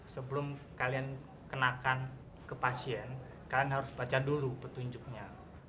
sebelum kalian kenakan ke pasien kalian harus baca dulu petunjuknya